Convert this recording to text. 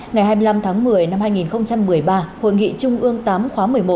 ngày hai mươi năm tháng một mươi năm hai nghìn một mươi ba hội nghị trung ương viii khóa một mươi một